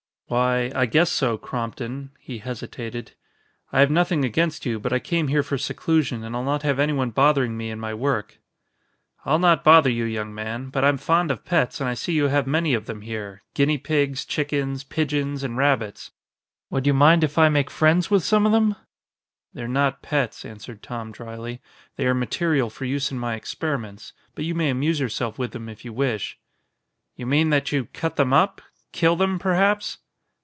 "Why I guess so, Crompton," he hesitated: "I have nothing against you, but I came here for seclusion and I'll not have anyone bothering me in my work." "I'll not bother you, young man. But I'm fond of pets and I see you have many of them here; guinea pigs, chickens, pigeons, and rabbits. Would you mind if I make friends with some of them?" "They're not pets," answered Tom dryly, "they are material for use in my experiments. But you may amuse yourself with them if you wish." "You mean that you cut them up kill them, perhaps?"